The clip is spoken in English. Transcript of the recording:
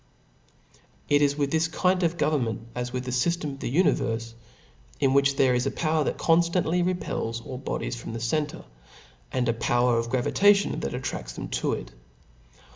It is with this kind of government as with the fyft6n% of the univerie, m which there is a power that; conftantly repels all bodies from the center, and a power of gravitation tha£ attra^s them to it.